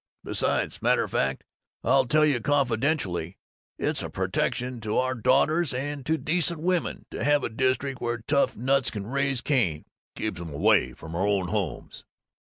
Besides, smatter fact, I'll tell you confidentially: it's a protection to our daughters and to decent women to have a district where tough nuts can raise cain. Keeps 'em away from our own homes."